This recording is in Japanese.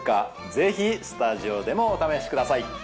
ぜひスタジオでもお試しください。